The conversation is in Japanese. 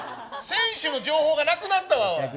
選手の情報がなくなったわ！